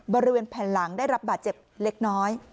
บริเวณแผ่นหลังได้รับบาดเจ็บเล็กน้อย